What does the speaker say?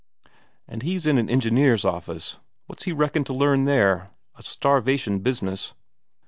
"And he's in an engineer's office what's he reckon to learn there? A starvation business.